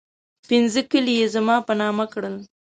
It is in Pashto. پنځه کلي یې زما په نامه کړل.